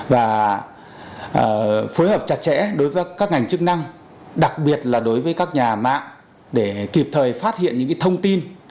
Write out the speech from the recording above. và phối hợp chặt chẽ đối với các ngành chức năng đặc biệt là đối với các nhà mạng để kịp thời phát hiện những thông tin